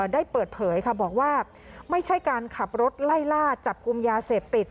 ได้เปิดเผยค่ะบอกว่าไม่ใช่การขับรถไล่ล่าจับกลุ่มยาเสพติด